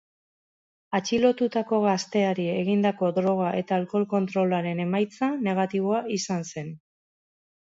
Atxilotutako gazteari egindako droga eta alkohol kontrolaren emaitza negatiboa izan zen.